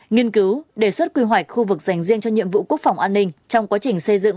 nghiên cứu đề xuất quy hoạch khu vực dành riêng cho nhiệm vụ quốc phòng an ninh trong quá trình xây dựng